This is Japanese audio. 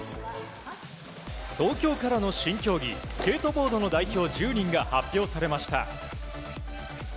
東京からの新競技スケートボードの代表１０人が発表されました。